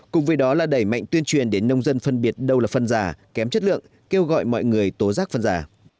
cùng với đó là đẩy mạnh tuyên truyền để nông dân phân biệt đâu là phân giả kém chất lượng kêu gọi mọi người tố rác phân giả